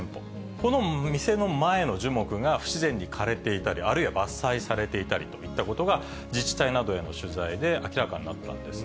この店の前の樹木が不自然に枯れていたり、あるいは伐採されていたりといったことが、自治体などへの取材で明らかになったんです。